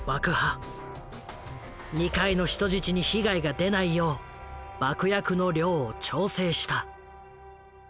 二階の人質に被害が出ないよう爆薬の量を調整した。